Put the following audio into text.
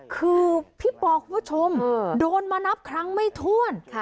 คือพี่ปอคุณผู้ชมโดนมานับครั้งไม่ถ้วน